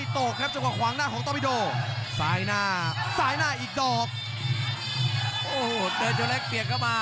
ตอนนี้อะไรที่ดี